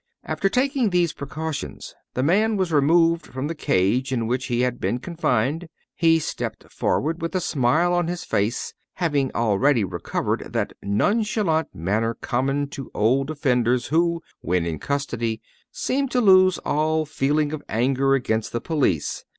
After taking these precautions, the man was removed from the cage in which he had been confined. He stepped forward with a smile on his face, having already recovered that nonchalant manner common to old offenders who, when in custody, seem to lose all feeling of anger against the police.